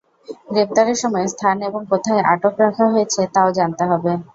গ্রেপ্তারের সময়, স্থান এবং কোথায় আটক রাখা হয়েছে, তা-ও জানাতে হবে।